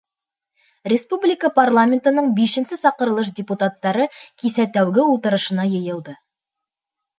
Республика парламентының бишенсе саҡырылыш депутаттары кисә тәүге ултырышына йыйылды.